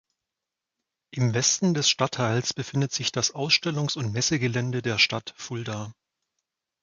Im Westen des Stadtteils befindet sich das Ausstellungs- und Messegelände der Stadt Fulda.